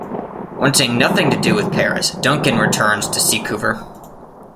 Wanting nothing to do with Paris, Duncan returns to Seacouver.